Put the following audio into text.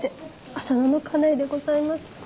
浅野の家内でございます。